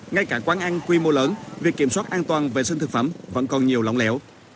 ngay cả quán ăn quy mô lớn việc kiểm soát an toàn vệ sinh thực phẩm vẫn còn nhiều lỏng lẻo